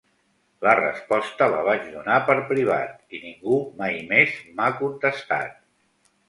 La resposta la vaig donar per privat i ningú mai més m’ha contestat.